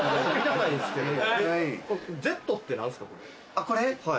あっこれ？